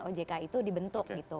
ojk itu dibentuk gitu